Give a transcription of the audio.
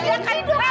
iy suntikin tidur